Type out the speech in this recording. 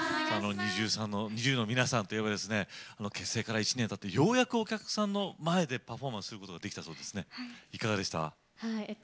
ＮｉｚｉＵの皆さんといえば結成から１年たってようやくお客さんの前でパフォーマンスをすることができたそうですねいかがでしたか。